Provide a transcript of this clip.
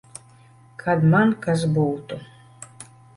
Kad man kas būtu.